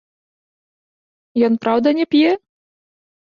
Ён праўда не п'е?